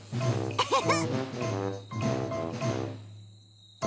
ウフフフ！